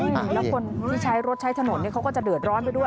แล้วคนที่ใช้รถใช้ถนนเขาก็จะเดือดร้อนไปด้วย